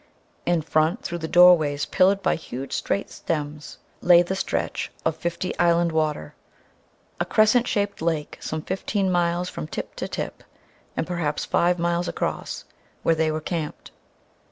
In front, through doorways pillared by huge straight stems, lay the stretch of Fifty Island Water, a crescent shaped lake some fifteen miles from tip to tip, and perhaps five miles across where they were camped.